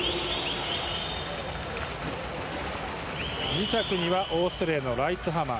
２着にはオーストリアのライツハマー。